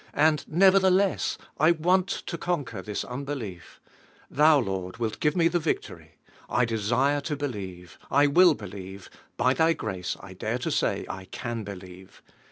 And, nevertheless, I want to conquer this unbelief. Thorn, Lord, wilt give me the victory. I desire to believe, I will be lieve, by Thy grace I dare to say I can believe.